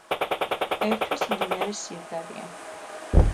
ერთვის მდინარე სირდარია.